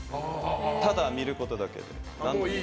ただ見ることだけ。